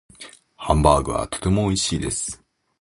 ハンバーグはとても美味しいです。